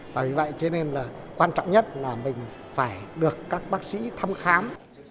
và vì vậy quan trọng nhất là mình phải được các bác sĩ thăm khám